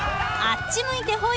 あっち向いてホイ！